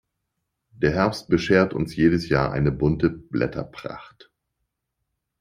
Der Herbst beschert uns jedes Jahr eine bunte Blätterpracht.